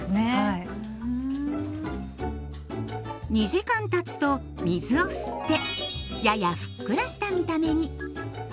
２時間たつと水を吸ってややふっくらした見た目に。